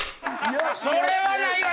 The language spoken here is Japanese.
それはないわ！